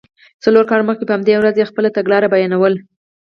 څلور کاله مخکې په همدې ورځ یې خپله تګلاره بیانوله.